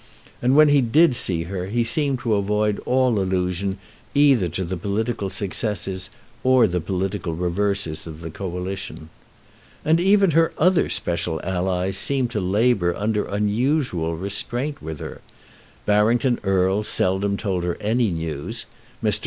And when he did see her he seemed to avoid all allusion either to the political successes or the political reverses of the Coalition. And even her other special allies seemed to labour under unusual restraint with her. Barrington Erle seldom told her any news. Mr.